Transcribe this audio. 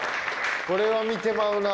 これは見てまうな。